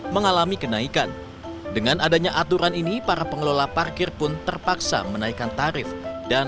mengalami kenaikan dengan adanya aturan ini para pengelola parkir pun terpaksa menaikkan tarif dan